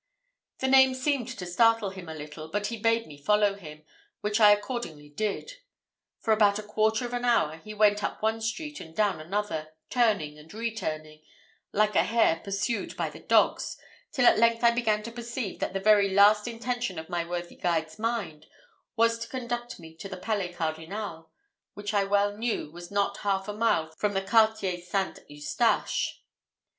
The name seemed to startle him a little; but he bade me follow him, which I accordingly did. For about a quarter of an hour, he went up one street and down another, turning and returning, like a hare pursued by the dogs, till at length I began to perceive that the very last intention in my worthy guide's mind was to conduct me to the Palais Cardinal, which I well knew was not half a mile from the Quartier St. Eustache.